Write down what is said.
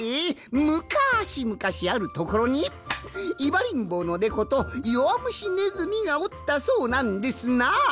むかしむかしあるところにいばりんぼうのネコとよわむしネズミがおったそうなんですな。